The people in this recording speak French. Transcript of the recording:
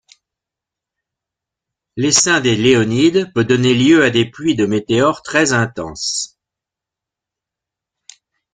L'essaim des Léonides peut donner lieu à des pluies de météores très intenses.